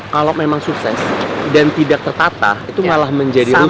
kalau memang sukses dan tidak tertata itu malah menjadi rupa